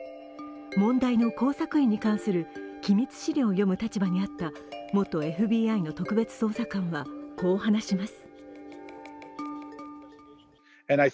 問題の工作員に関する機密資料を読む立場に遭った元ＦＢＩの特別捜査官はこう話します。